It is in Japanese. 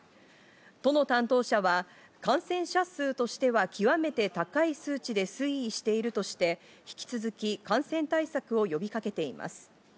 都の担当者は感染者数としては極めて高い数値で推移しているとして、引き続き、感染対策を呼びかけています。